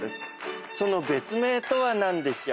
その別名とは何でしょう？